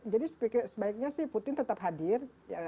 jadi sebaiknya sih putin tetap hadir